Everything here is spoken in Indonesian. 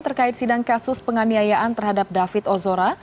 terkait sidang kasus penganiayaan terhadap david ozora